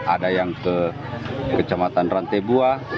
ada yang ke kecamatan rantai bua